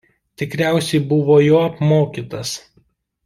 Tikriausiai buvo jo apmokytas.